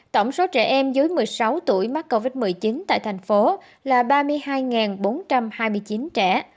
tổng số trẻ em dưới một mươi sáu tuổi mắc covid một mươi chín tại thành phố là ba mươi hai bốn trăm hai mươi chín trẻ